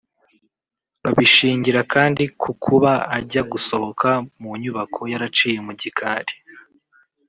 Babishingira kandi ku kuba ajya gusohoka mu nyubako yaraciye mu gikari